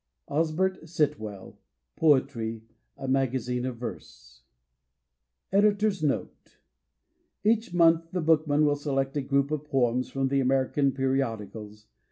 Osbert Sitwell — Poetry; A Magagine of Yerte Bditob'8 Notb. — Bach month Thb Bookman toill eelect a group of poems from the American periodioala.